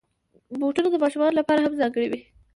بوټونه د ماشومانو لپاره هم ځانګړي وي.